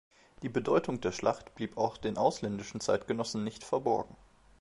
Die Bedeutung der Schlacht blieb auch den ausländischen Zeitgenossen nicht verborgen.